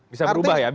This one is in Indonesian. bisa berubah ya